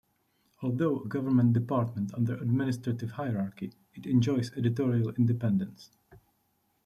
Although a government department under administrative hierarchy, it enjoys editorial independence.